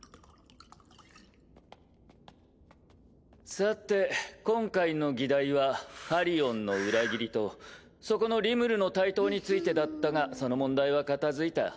さて今回の議題はカリオンの裏切りとそこのリムルの台頭についてだったがその問題は片付いた。